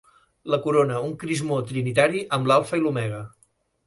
La corona un crismó trinitari amb l'alfa i l'omega.